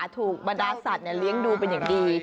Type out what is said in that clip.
ถูกบรรดาสัตว์เลี้ยงดูเป็นอย่างดี